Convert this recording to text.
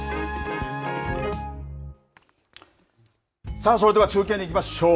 さあ、それでは中継にいきましょう。